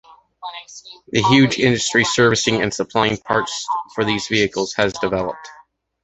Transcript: A huge industry servicing and supplying parts for these vehicles has developed.